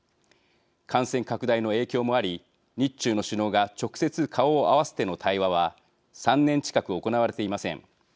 感染拡大の影響もあり日中の首脳が直接、顔を合わせての対話は３年近く行われていません。